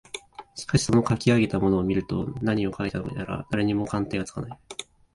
しかしそのかき上げたものを見ると何をかいたものやら誰にも鑑定がつかない